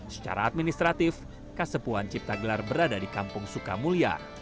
secara administratif kasepuan cipta gelar berada di kampung sukamulya